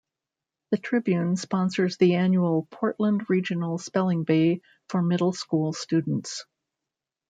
The "Tribune" sponsors the annual Portland Regional Spelling Bee for middle school students.